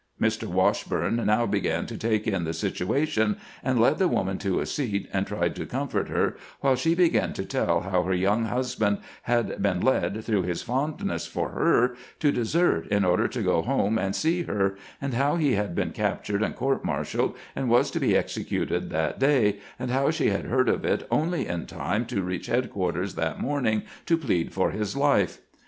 Mr. Washburne now began to take in the situ ation, and led the woman to a seat, and tried to comfort her, while she began to tell how her young husband had been led, through his fondness for her, to desert in order to go home and see her, and how he had been captured and court martialed, and was to be executed that day, and how she had heard of it only in time to reach headquarters that morning to plead for his life.